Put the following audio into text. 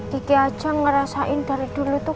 kiki aja ngerasain dari dulu tuh